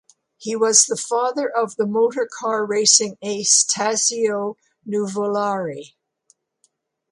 He was the father of the motor and car racing ace Tazio Nuvolari.